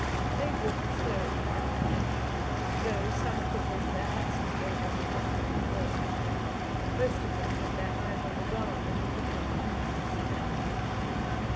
They walked slowly and dejectedly, though some took off their hats and gave one a rough "Good day." Most of them had their eyes on the ground and a look of mute despair.